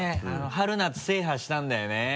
春・夏制覇したんだよね。